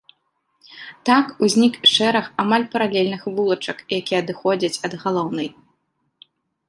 Так узнік шэраг амаль паралельных вулачак, якія адыходзяць ад галоўнай.